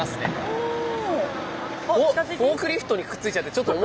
おっフォークリフトにくっついちゃってちょっと面白くなってる。